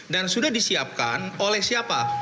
dan sudah disiapkan oleh siapa